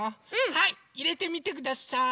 はいいれてみてください！